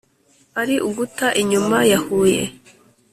Ari uguta inyuma ya Huye